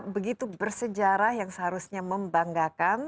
begitu bersejarah yang seharusnya membanggakan